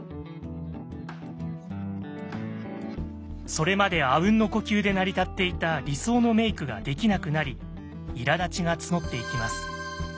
それまであうんの呼吸で成り立っていた理想のメイクができなくなり苛立ちが募っていきます。